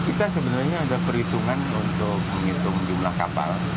kita sebenarnya ada perhitungan untuk menghitung jumlah kapal